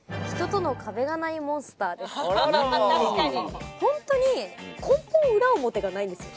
確かにホントに根本裏表がないんですよ